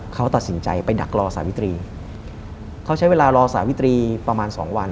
เขาตัดสินใจไปดักรอสาวิตรีเขาใช้เวลารอสหวิตรีประมาณสองวัน